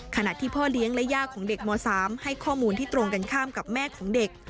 ขณะที่พ่อเลี้ยงและย่าของเด็กม๓ให้ข้อมูลที่ตรงกันข้ามกับแม่ของเด็ก